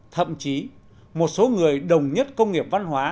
thậm chí một số người đồng nhất công nghiệp văn hóa